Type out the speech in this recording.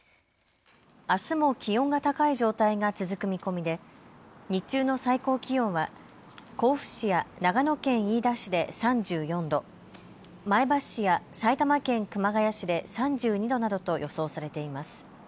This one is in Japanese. あすも気温が高い状態が続く見込みで日中の最高気温は甲府市や長野県飯田市で３４度、前橋市や埼玉県熊谷市で３２度などと予想されています。